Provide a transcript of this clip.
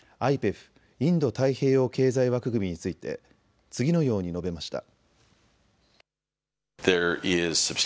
・インド太平洋経済枠組みについて次のように述べました。